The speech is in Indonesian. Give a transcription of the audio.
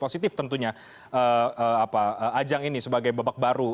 sebagai bebek baru